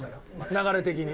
流れ的に。